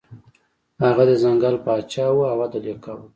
هغه د ځنګل پاچا و او عدل یې کاوه.